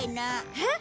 えっ！